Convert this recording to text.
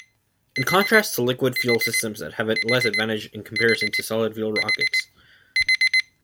In contrast to liquid-fuel systems that have less advantage in comparison to solid-fuel rockets.